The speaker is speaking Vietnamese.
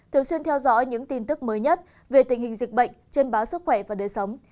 thường xuyên theo dõi những tin tức mới nhất về tình hình dịch bệnh trên báo sức khỏe và đời sống